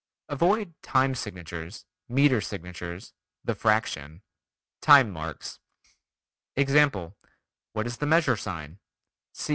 Avoid "time signatures," "meter signatures," "the fraction," "time marks." Example: What is the measure sign?